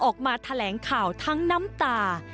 ออกมาแถลงข่าวทั้งน้ำตา